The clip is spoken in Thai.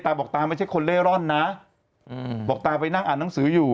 บอกตาไม่ใช่คนเล่ร่อนนะบอกตาไปนั่งอ่านหนังสืออยู่